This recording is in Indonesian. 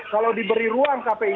kalau diberi ruang kpi